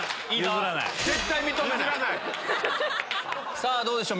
さぁどうでしょう？